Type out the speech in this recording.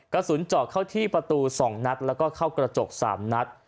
กระสุนเจาะเข้าที่ประตู๒นัดแล้วก็เข้ากระจก๓นัด